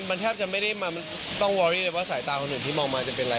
มันแทบจะไม่ได้ต้องวอรี่เลยว่าสายตาของหนุ่มที่มองมาจะเป็นอะไร